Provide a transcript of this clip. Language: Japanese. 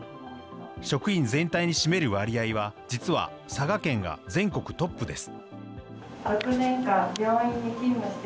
職員全体に占める割合は、実は佐賀県が全国トップです。